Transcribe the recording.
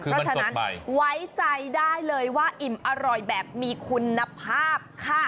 เพราะฉะนั้นไว้ใจได้เลยว่าอิ่มอร่อยแบบมีคุณภาพค่ะ